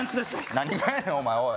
何がやねんお前おい